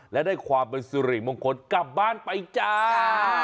และได้ความเป็นสุริมงคลกลับบ้านไปจ้า